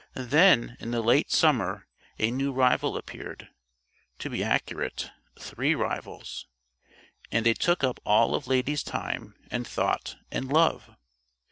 Then in the late summer a new rival appeared to be accurate, three rivals. And they took up all of Lady's time and thought and love.